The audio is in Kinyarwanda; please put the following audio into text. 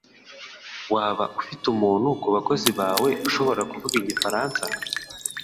Waba ufite umuntu ku bakozi bawe ushobora kuvuga igifaransa?